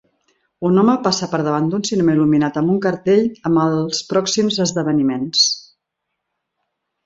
Un home passa per davant d'un cinema il·luminat amb un cartell amb els pròxims esdeveniments.